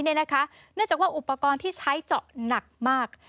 เนื่องจากว่าอุปกรณ์ที่ใช้เจาะหนักมาก